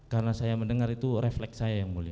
karena saya mendengar itu refleks saya yang mulia